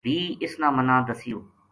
بھی اس نا منا دسیوں